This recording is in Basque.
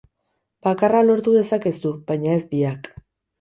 Bakarra lortu dezakezu, baina ez biak.